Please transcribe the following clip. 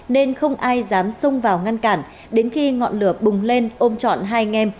nên không ai dám xung vào ngăn cản đến khi ngọn lửa bùng lên ôm trọn hai anh em